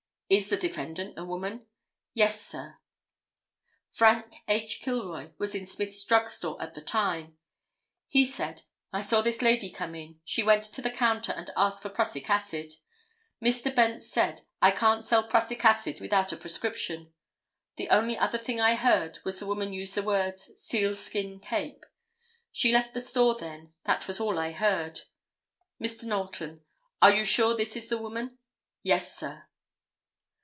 "Is the defendant the woman?" "Yes, sir." Frank H. Kilroy was in Smith's drug store at the time. He said "I saw this lady come in. She went to the counter and asked for prussic acid. Mr. Bence said: "I can't sell prussic acid without a prescription." The only other thing I heard was the woman use the words, 'seal skin cape.' She left the store then. That was all I heard." Mr. Knowlton "Are you sure this is the woman?" "Yes, sir."